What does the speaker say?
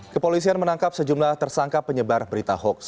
kepolisian menangkap sejumlah tersangka penyebar berita hoax